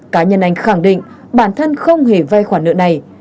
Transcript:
cá nhân anh khẳng định bản thân không hề vay khoản nợ này